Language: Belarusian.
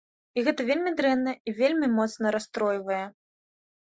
І гэта вельмі дрэнна і вельмі моцна расстройвае.